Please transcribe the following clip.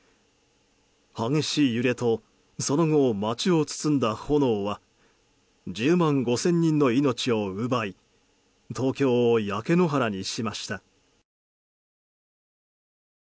激しい揺れとその後、街を包んだ炎は１０万５０００人の命を奪い東京を焼け野原にしました。